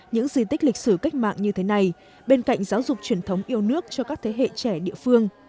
những di tích lịch sử cách mạng như thế này bên cạnh giáo dục truyền thống yêu nước cho các thế hệ trẻ địa phương